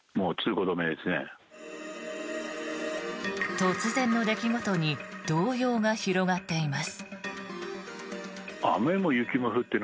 突然の出来事に動揺が広がっています。